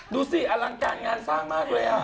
ดูสิอลังการงานสร้างมากเลย